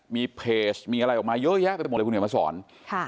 มีเพจมีอะไรออกมาเยอะแยะไปหมดเลยคุณเห็นมาสอนค่ะ